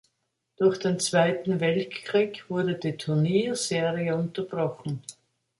Durch den Zweiten Weltkrieg wurde die Turnierserie unterbrochen.